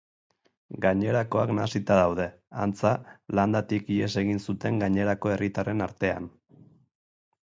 Gainerakoak nahasita daude, antza, landatik ihes egin zuten gainerako herritarren artean.